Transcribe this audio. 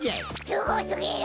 すごすぎる！